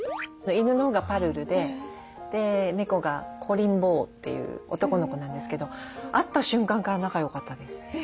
犬のほうがぱるるで猫がこりん坊という男の子なんですけど会った瞬間から仲良かったです。